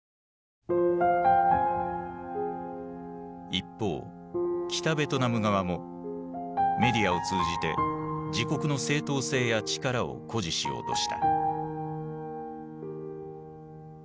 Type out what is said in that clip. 一方北ベトナム側もメディアを通じて自国の正当性や力を誇示しようとした。